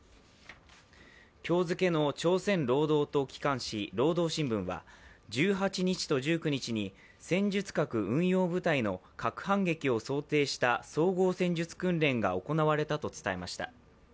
今日付の朝鮮労働党機関紙「労働新聞」は１８日と１９日に戦術核運用部隊の核反撃を想定した総合戦術訓練が行われたと伝えました。